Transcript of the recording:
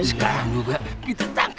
sekarang juga kita tangkap